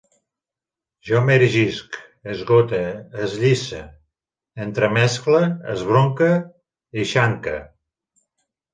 Jo m'erigisc, esgote, esllisse, entremescle, esbronque, eixanque